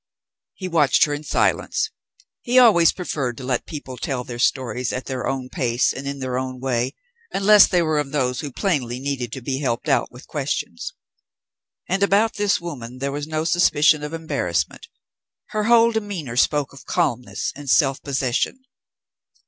He watched her in silence. He always preferred to let people tell their stories at their own pace and in their own way, unless they were of those who plainly needed to be helped out with questions. And about this woman there was no suspicion of embarrassment; her whole demeanour spoke of calmness and self possession.